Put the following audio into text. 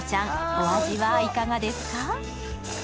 お味はいかがですか？